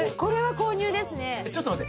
ちょっと待って。